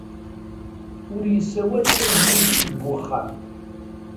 Ur yessawal s tanglizit deg wexxam.